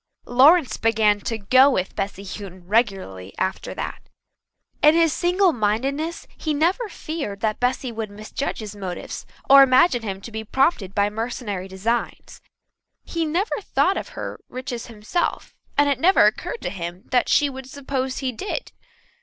Lawrence began to "go with" Bessy Houghton regularly after that. In his single mindedness he never feared that Bessy would misjudge his motives or imagine him to be prompted by mercenary designs. He never thought of her riches himself, and it never occurred to him that she would suppose he did.